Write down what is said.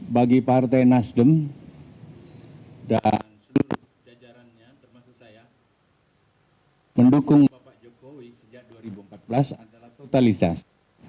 bagi partai nasdem dan seluruh jajarannya termasuk saya mendukung bapak jokowi sejak dua ribu empat belas adalah totalitas